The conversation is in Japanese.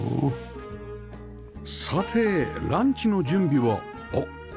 さてランチの準備をおっ！